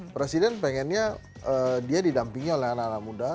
presiden pengennya dia didampingi oleh anak anak muda